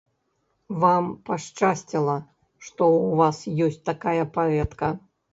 Вам пашчасціла, што ў вас ёсць такая паэтка.